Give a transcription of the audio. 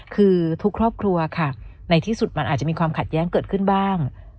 คือทุกครอบครัวค่ะในที่สุดมันอาจจะมีความขัดแย้งเกิดขึ้นบ้าง